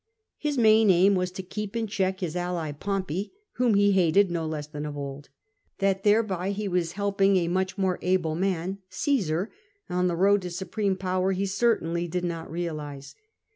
His main aim was to keep in check his ally Pompey, whom he hated no less than of old. That thereby he was helping a much more able man — Caesar — on the road to supreme power he certainly did not realise.